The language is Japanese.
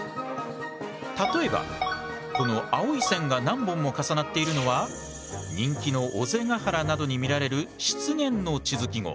例えばこの青い線が何本も重なっているのは人気の尾瀬ヶ原などに見られる湿原の地図記号。